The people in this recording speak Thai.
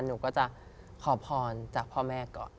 หนูก็จะขอพรจากพ่อแม่ก่อน